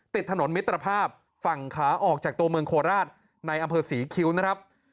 ติดถนนมิตรภาพฝั่งขาออกจากตัวเมืองโคราชในอำเภอศรีคิ้วนะครับ